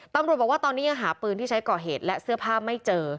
ตำรวจบอกว่าตอนนี้ยังหาปืนที่ใช้ก่อเหตุและเสื้อผ้าไม่เจอ